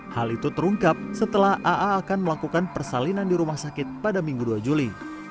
hal itu terungkap setelah aa akan melakukan persalinan di rumah sakit pada minggu dua juli